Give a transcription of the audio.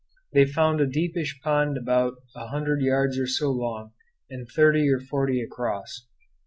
They found a deepish pond a hundred yards or so long and thirty or forty across.